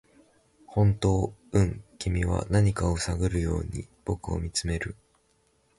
「本当？」「うん」君は何かを探るように僕を見つめる